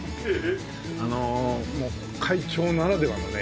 あのもう会長ならではのね。